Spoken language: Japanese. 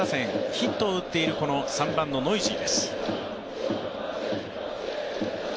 ヒットを打っている３番のノイジーです。